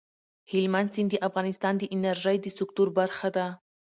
هلمند سیند د افغانستان د انرژۍ د سکتور برخه ده.